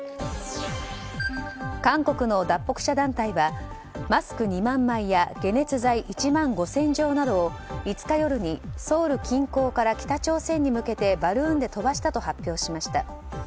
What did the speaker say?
韓国の脱北者団体はマスク２万枚や解熱剤１万５０００錠などを５日夜にソウル近郊から北朝鮮に向けてバルーンで飛ばしたと発表しました。